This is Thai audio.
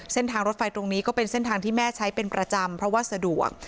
เส้นทางรถไฟตรงนี้ก็เป็นเส้นทางที่แม่ใช้เป็นประจำเพราะว่าสะดวก